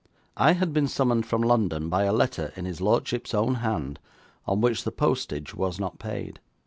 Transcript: I had been summoned from London by a letter in his lordship's own hand, on which the postage was not paid.